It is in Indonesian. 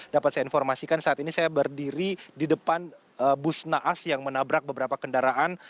dapat saya informasikan saat ini saya berdiri di depan bus naas yang menabrak beberapa kendaraan